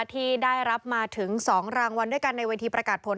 ที่ได้รับมาถึง๒รางวัลด้วยกันในเวทีประกาศผล